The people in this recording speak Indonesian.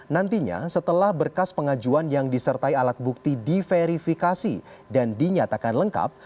nantinya setelah berkas pengajuan yang disertai alat bukti diverifikasi dan dinyatakan lengkap